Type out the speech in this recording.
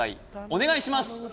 お願いします